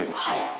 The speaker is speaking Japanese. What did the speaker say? はい。